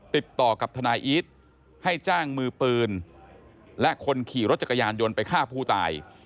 ติดต่อกับทนายอีทให้จ้างมือปืนและคนขี่รถจักรยานยนต์ไปฆ่าผู้ตาย